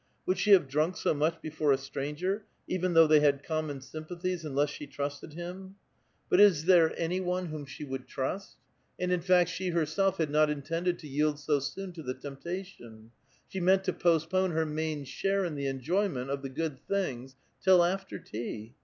Would she have dmnk so much before a stranger, even though they had com mon sympathies^ unless she trusted him ? But is there any 118 A VITAL QUESTION. one whom she would trust ! And in fact she herself had not inti^nded to yield so soon to the temptation. She meant to l)ostpi)ne her main share in the enjoyment of the good things till after tea.